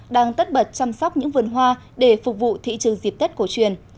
đang tất bật chăm sóc những vườn hoa để phục vụ thị trường dịp tết cổ truyền